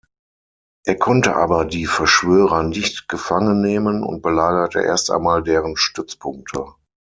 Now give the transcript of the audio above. Er konnte aber die Verschwörer nicht gefangen nehmen und belagerte erst einmal deren Stützpunkte.